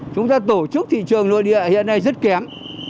chúng ta tổ chức thị trường nội địa hiện nay rất kém